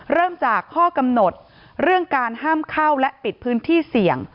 เริ่มจากข้อกำหนดเรื่องการห้ามเข้าและปิดพื้นที่เสี่ยง